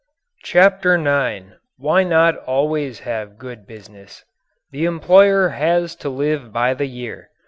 CHAPTER IX WHY NOT ALWAYS HAVE GOOD BUSINESS? The employer has to live by the year.